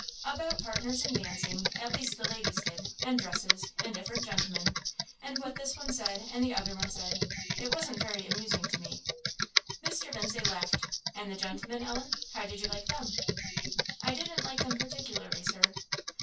"About partners in dancing at least the ladies did and dresses, and different gentlemen, and what this one said and the other one said it wasn't very amusing to me." Mr. Lindsay laughed. "And the gentlemen, Ellen; how did you like them?" "I didn't like them particularly, Sir."